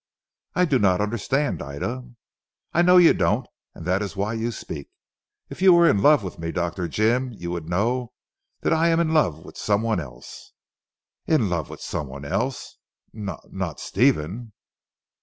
"I do not understand Ida." "I know you don't and that is why you speak. If you were in love with me Dr. Jim, you would know that I am in love with someone else." "In love with someone else? Not not Stephen?"